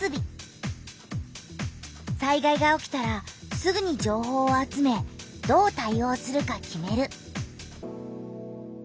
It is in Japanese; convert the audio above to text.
災害が起きたらすぐに情報を集めどう対おうするか決める。